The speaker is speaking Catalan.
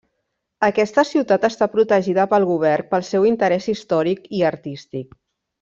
Aquesta ciutat està protegida pel govern pel seu interès històric i artístic.